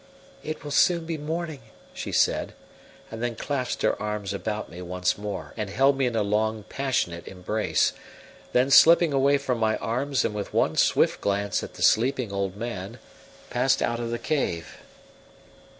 "It will soon be morning," she said, and then clasped her arms about me once more and held me in a long, passionate embrace; then slipping away from my arms and with one swift glance at the sleeping old man, passed out of the cave.